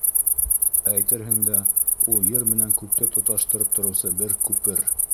Әйтерһең дә, ул ер менән күкте тоташтырып тороусы бер күпер.